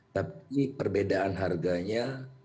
tapi perbedaan harganya